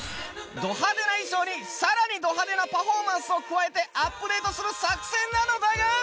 ド派手な衣装に更にド派手なパフォーマンスを加えてアップデートする作戦なのだが。